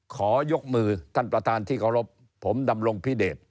ขอยกมือท่านประธานที่เคารพผมดำรงพิเดช